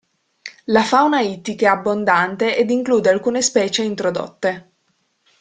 La fauna ittica è abbondante ed include alcune specie introdotte.